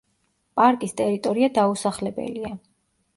პარკის ტერიტორია დაუსახლებელია.